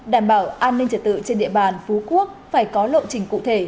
đảm bảo an ninh trật tự trên địa bàn phú quốc phải có lộ trình cụ thể